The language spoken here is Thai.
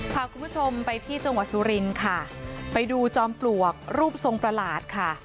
พาคุณผู้ชมไปที่จังหวัดสุรินทร์ค่ะไปดูจอมปลวกรูปทรงประหลาดค่ะ